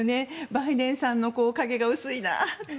バイデンさんの影が薄いなって。